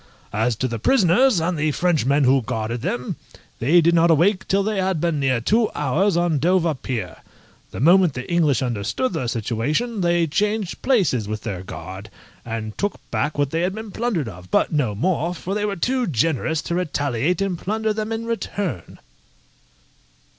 As to the prisoners, and the Frenchmen who guarded them, they did not awake till they had been near two hours on Dover Pier. The moment the English understood their situation they changed places with their guard, and took back what they had been plundered of, but no more, for they were too generous to retaliate and plunder them in return.